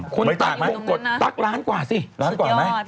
คุณตั๊กล้านกว่าสิสุดยอด